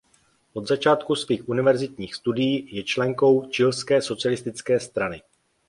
Od začátku svých univerzitních studií je členkou Chilské socialistické strany.